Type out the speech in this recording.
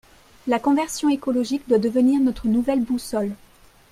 La conversion écologique doit devenir notre nouvelle boussole.